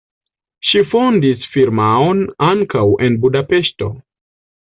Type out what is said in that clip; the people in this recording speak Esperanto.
Ŝi fondis firmaon ankaŭ en Budapeŝto.